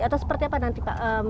atau seperti apa nanti pak